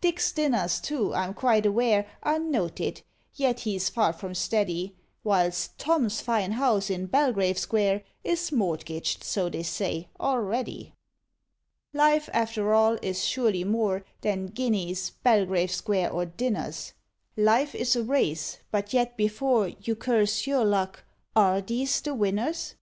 DICK's dinners, too, I'm quite aware, Are noted yet he's far from steady, Whilst TOM's fine house in Belgrave Square Is mortgaged, so they say, already. Life, after all, is surely more Than guineas, Belgrave Square, or dinners. Life is a race but yet, before You curse your luck, are these the winners?